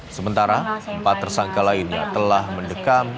sementara empat tersangka lainnya telah mendekam